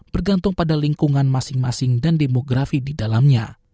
bergantung pada lingkungan masing masing dan demografi di dalamnya